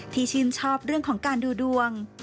ที่ชื่นชอบเรื่องของการดูดวง